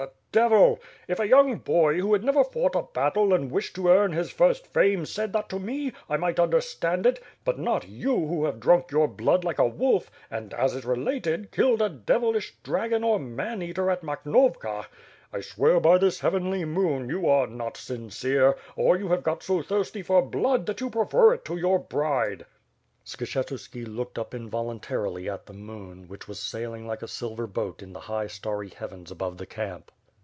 The devil! If a young boy, who had never fought a battle and wished to earn his first fame, said that to me, I might understand it; but not you who have drunk your blood like a wolf and. as is related, killed a devilish dragon or man eater at Makhnovka. I swear by this heavenly moon, you are not sincere; or you have got so thirsty for blood that you prefer it to your bride." Skshetuski looked up involuntarily at the moon, which was sailing like a silver boat in the high starry heavens above the camp.